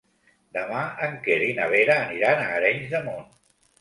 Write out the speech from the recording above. Demà en Quer i na Vera aniran a Arenys de Munt.